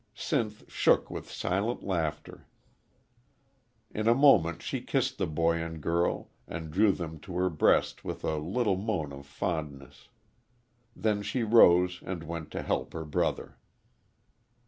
Sinth shook with silent laughter. In a moment she kissed the boy and girl and drew them to her breast with a little moan of fondness. Then she rose and went to help her brother.